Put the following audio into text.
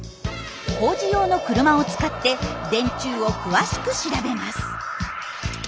工事用の車を使って電柱を詳しく調べます。